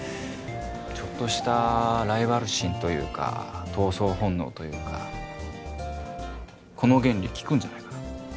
ちょっとしたライバル心というか闘争本能というかこの原理効くんじゃないかな？